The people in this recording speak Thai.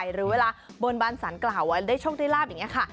หรือเวลาบนบานสรรกราวได้ช่วงที่ร่านแนก